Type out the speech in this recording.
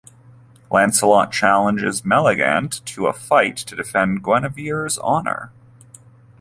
Lancelot challenges Meleagant to a fight to defend Guinevere's honor.